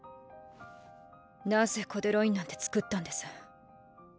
なぜコデロインなんて作ったんです？